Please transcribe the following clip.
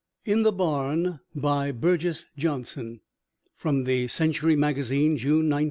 IN THE BARN BY BURGES JOHNSON From the Century Magazine, June, 1920.